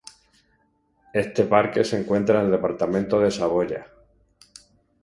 Este parque se encuentra en el departamento de Saboya.